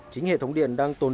chính hệ thống điện đang tồn